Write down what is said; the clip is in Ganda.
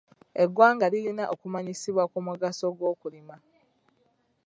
Eggwanga lirina okumanyisibwa ku mugaso gw'okulima.